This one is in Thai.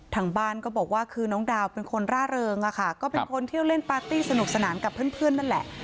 ทางบ้านก็บอกว่าคือน้องดาวเป็นคนร่าเริงอะค่ะก็เป็นคนเที่ยวเล่นปาร์ตี้สนุกสนานกับเพื่อนนั่นแหละ